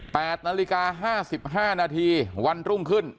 นาฬิกาห้าสิบห้านาทีวันรุ่งขึ้น